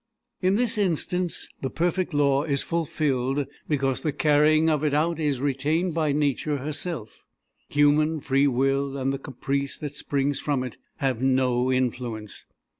In this instance the perfect law is fulfilled because the carrying of it out is retained by Nature herself: human free will and the caprice that springs from it have no influence.